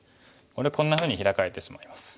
これでこんなふうにヒラかれてしまいます。